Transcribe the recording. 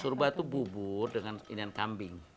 surba tuh bubur dengan indian kambing